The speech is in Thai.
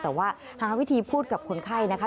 แต่ว่าหาวิธีพูดกับคนไข้นะคะ